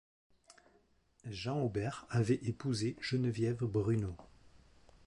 Jean Aubert avait épousé Geneviève Brunault.